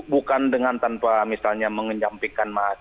bukan dengan tanpa misalnya mengejampikan mas